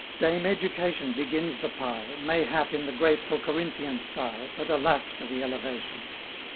Dame Education begins the pile, Mayhap in the graceful Corinthian style, But alas for the elevation!